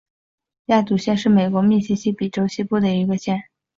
亚祖县是美国密西西比州西部的一个县。